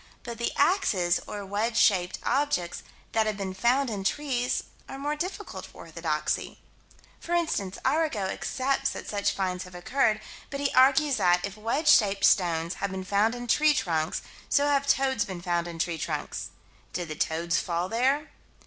But the axes, or wedge shaped objects that have been found in trees, are more difficult for orthodoxy. For instance, Arago accepts that such finds have occurred, but he argues that, if wedge shaped stones have been found in tree trunks, so have toads been found in tree trunks did the toads fall there?